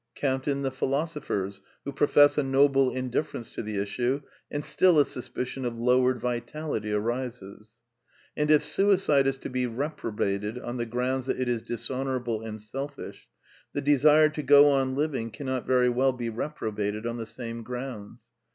Count in the philosophers who profess a noble indiffer ence to the issue, and still a suspicion of lowered vitality arises. And if suicide is to be reprobated on the grounds that it is dishonourable and selfish, the desire to go on living cannot very well be reprobated on the same groimds.